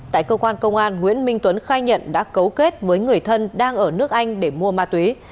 tại cơ quan công an nguyễn minh tuấn khai nhận đã cấu kết với người thân đang ở nước anh để mua ma túy